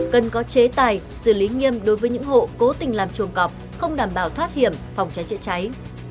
cần có chế tài xử lý nghiêm đối với những hộ cố tình làm chuồng cọp không đảm bảo thoát hiểm phòng cháy chữa cháy